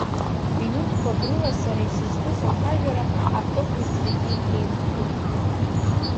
Минуҭқәак рыла сара исызкыз ацәажара автобус зегьы еимнадеит.